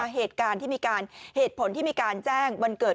เหตุการณ์ที่มีการเหตุผลที่มีการแจ้งวันเกิด